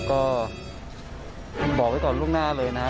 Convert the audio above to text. ก็บอกไว้ก่อนล่วงหน้าเลยนะฮะ